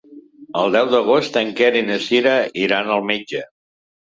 El deu d'agost en Quer i na Cira iran al metge.